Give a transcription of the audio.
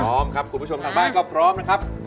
พร้อมครับคุณผู้ชมทางบ้านก็พร้อมนะครับ